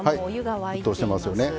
沸騰してますよね。